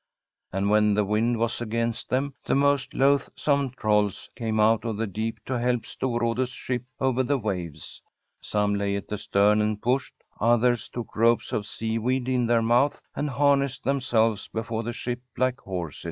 And when the wind was against them, the most loathsome trolls came out of the deep to help Storrade's ship over the waves. Some lay at the stern and pushed, others took ropes of seaweed in their mouth and harnessed them selves before the ship like horses.